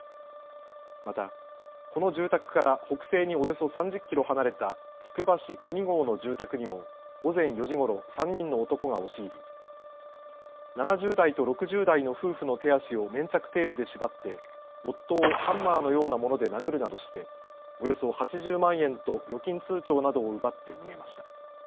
また、この住宅から北西におよそ３０キロ離れたつくば市上郷の住宅にも午前４時ごろ３人の男が押し入り、７０代と６０代の夫婦の手足を粘着テープで縛って夫をハンマーのようなもので殴るなどしておよそ８０万円と預金通帳などを奪って逃げました。